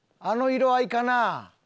あの色合いかな？